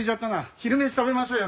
昼飯食べましょうよ